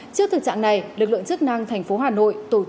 trước thực trạng này lực lượng chức năng thành phố hà nội